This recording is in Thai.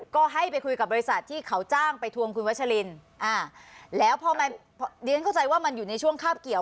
ก็ให้ไปคุยกับบริษัทที่เขาจ้างไปทวงคุณวัชลินอ่าแล้วพอเรียนเข้าใจว่ามันอยู่ในช่วงคาบเกี่ยว